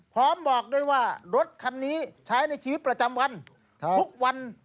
บอกด้วยว่ารถคันนี้ใช้ในชีวิตประจำวันทุกวัน